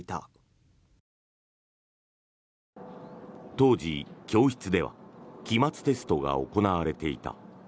当時、教室では期末テストが行われていた。